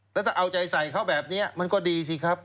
แล้วถ้าเอาใจใส่เขาแบบนี้มันก็ดีสิครับ